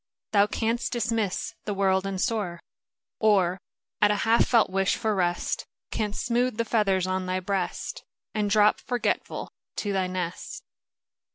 Thou canst dismiss the world and soar, Or, at a half felt wish for rest. Canst smooth the feathers on thy breast, And drop, forgetful, to thy nest.